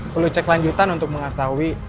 perlu cek lanjutan untuk mengetahui